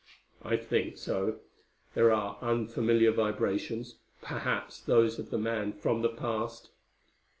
"I think so. There are unfamiliar vibrations perhaps those of the man from the past."